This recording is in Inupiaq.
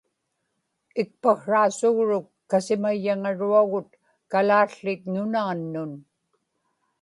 ikpaksraasugruk kasimayyaŋaruagut Kalaałłit Nunaannun